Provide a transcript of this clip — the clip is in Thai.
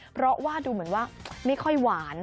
เพราะว่าดูเหมือนว่าไม่ค่อยหวาน